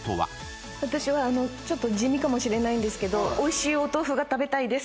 私はちょっと地味かもしれないんですけどおいしいお豆腐が食べたいです。